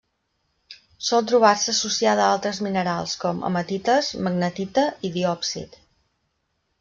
Sol trobar-se associada a altres minerals com: hematites, magnetita i diòpsid.